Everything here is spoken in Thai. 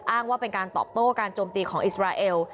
ว่าเป็นการตอบโต้การโจมตีของอิสราเอล